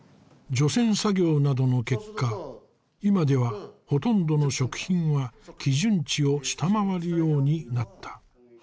除染作業などの結果今ではほとんどの食品は基準値を下回るようになった。